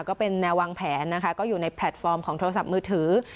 ก็เป็นแนววางแผนนะคะก็อยู่ในแพลตฟอร์มของโทรศัพท์มือถือ